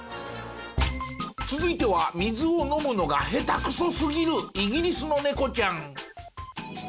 続いては水を飲むのが下手くそすぎるイギリスの猫ちゃん。